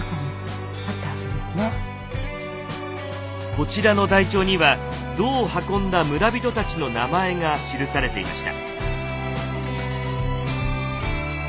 こちらの台帳には銅を運んだ村人たちの名前が記されていました。